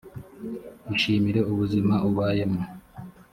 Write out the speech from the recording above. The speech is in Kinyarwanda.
ishimire ubuzima ubayemo